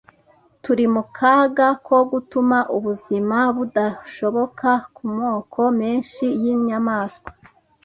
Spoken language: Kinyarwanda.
Turi mu kaga ko gutuma ubuzima budashoboka ku moko menshi y’inyamaswa.